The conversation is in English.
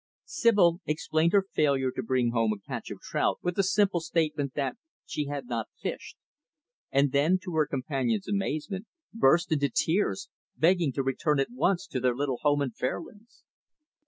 Sibyl explained her failure to bring home a catch of trout, with the simple statement that she had not fished; and then to her companion's amazement burst into tears; begging to return at once to their little home in Fairlands.